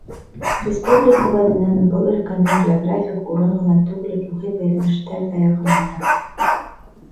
Республикабыҙ менән был өлкәне географик урын ғына түгел, рухи бәйләнештәр ҙә яҡынайта.